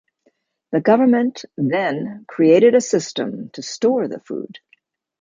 The government then created a system to store the food.